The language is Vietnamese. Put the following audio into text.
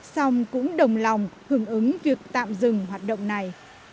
xong cũng đồng lòng hưởng ứng việc tạm dừng hoạt động này